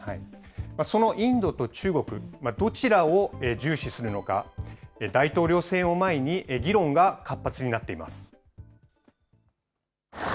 そのインドと中国、どちらを重視するのか、大統領選を前に、議論が活発になっています。